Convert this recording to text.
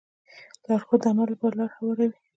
لارښود د عمل لپاره لاره هواروي.